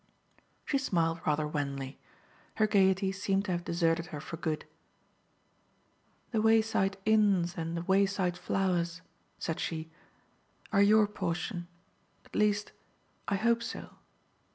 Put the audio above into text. She smiled rather wanly. Her gaiety seemed to have deserted her for good. "The wayside inns and the wayside flowers," said she, "are your portion at least, I hope so.